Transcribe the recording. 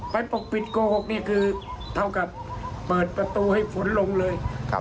ปกปิดโกหกนี่คือเท่ากับเปิดประตูให้ฝนลงเลย